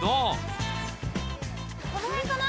この辺かな。